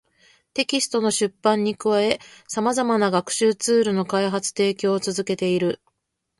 テキストの出版に加え、様々な学習ツールの開発・提供を続けている